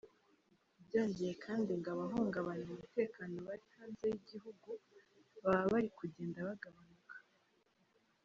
Byongeye kandi ngo abahungabanya umutekano bari hanze y’igihugu baba bari kugenda bagabanuka.